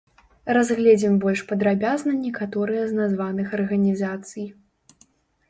Разгледзім больш падрабязна некаторыя з названых арганізацый.